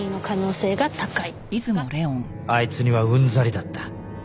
あいつにはうんざりだった